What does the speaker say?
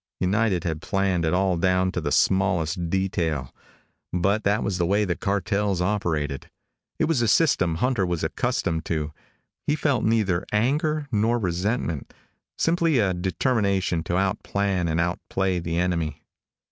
United had planned it all down to the smallest detail. But that was the way the cartels operated. It was the system Hunter was accustomed to. He felt neither anger not resentment, simply a determination to out plan and out play the enemy.